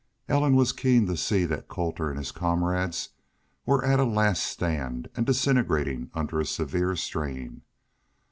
Ellen was keen to see that Colter and his comrades were at a last stand and disintegrating under a severe strain.